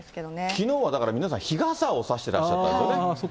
きのうはだから、皆さん、日傘を差してらっしゃったんですよね。